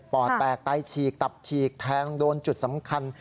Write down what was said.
อดแตกไตฉีกตับฉีกแทงโดนจุดสำคัญ